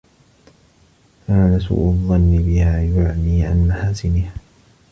كَانَ سُوءُ الظَّنِّ بِهَا يُعْمِي عَنْ مَحَاسِنِهَا